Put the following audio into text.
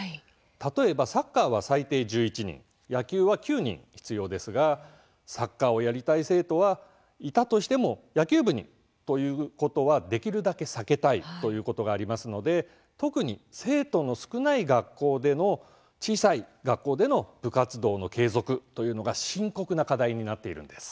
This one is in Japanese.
例えば、サッカーは最低１１人野球は９人必要ですがサッカーをやりたい生徒はいたとしても野球部にということはできるだけ避けたいということがありますので特に、生徒の少ない学校での小さい学校での部活動の継続というのが深刻な課題になっているんです。